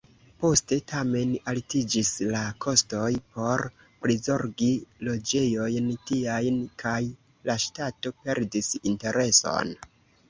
Poste, tamen, altiĝis la kostoj por prizorgi loĝejojn tiajn, kaj la ŝtato perdis intereson.